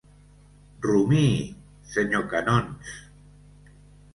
Rumiï, senyor Canons!